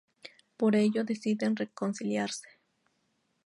Por ello deciden reconciliarse.